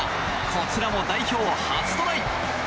こちらも代表初トライ！